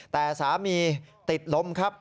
แต่สามีติดลมครับ